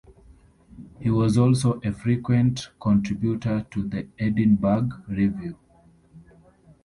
He was also a frequent contributor to the "Edinburgh Review".